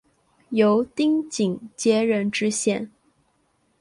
由丁谨接任知县。